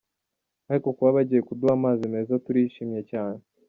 Ariko kuba bagiye kuduha amazi meza turishimye cyane.